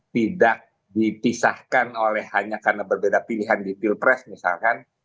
tidak dipisahkan oleh hanya karena berbeda pilihan di pilpres misalkan